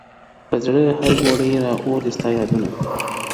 پر زړه هر گړی را اوري ستا یادونه -